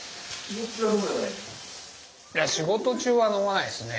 いや仕事中は飲まないっすね。